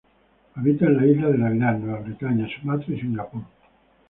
Habita en la Isla de Navidad, Nueva Bretaña, Sumatra y Singapur.